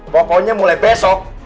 pokoknya mulai besok